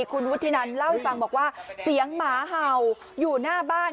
คุณวุฒินันเล่าให้ฟังบอกว่าเสียงหมาเห่าอยู่หน้าบ้าน